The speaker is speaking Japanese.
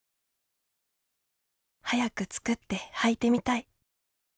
早く作ってはいてみたい。